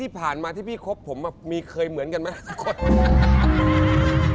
ผมอะมีเคยเหมือนกันมากสักคน